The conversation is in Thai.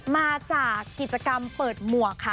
มาจากกิจกรรมเปิดหมวกค่ะ